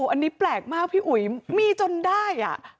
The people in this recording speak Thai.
อันนี้แปลกมากพี่อุ๋ยมีจนได้